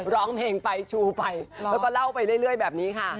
ร้องเพลงไปชูไปแล้วก็เล่าไปเรื่อยแบบนี้ค่ะ